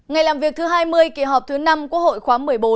ngày làm việc thứ hai mươi kỳ họp thứ năm quốc hội khóa một mươi bốn